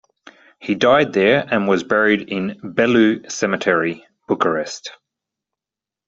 He died there and was buried in Bellu cemetery, Bucharest.